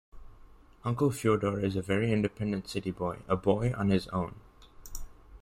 Uncle Fyodor is a very independent city boy, "a boy on his own".